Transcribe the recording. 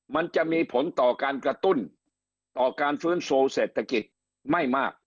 มันจะมีผลต่อการกระตุ้นต่อการฟื้นฟูเศรษฐกิจไม่มาก